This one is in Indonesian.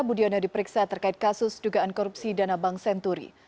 budiono diperiksa terkait kasus dugaan korupsi dana bank senturi